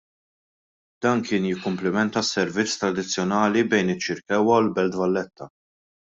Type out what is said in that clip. Dan kien jikkumplementa s-servizz tradizzjonali bejn iċ-Ċirkewwa u l-Belt Valletta.